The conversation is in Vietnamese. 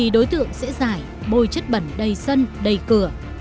đối tượng sẽ giải bôi chất bẩn đầy sân đầy cửa